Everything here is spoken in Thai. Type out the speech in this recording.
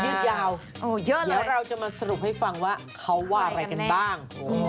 ยาวเยอะเดี๋ยวเราจะมาสรุปให้ฟังว่าเขาว่าอะไรกันบ้าง